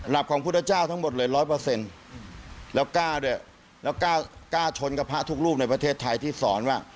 หลับของพุทธเจ้าทั้งหมดเลย๑๐๐แล้วกล้าชนกับพระทุกรูปในประเทศไทยที่สอนว่า